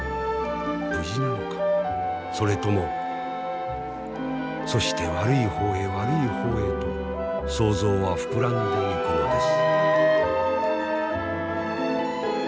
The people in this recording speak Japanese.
無事なのかそれとも。そして悪い方へ悪い方へと想像は膨らんでいくのです。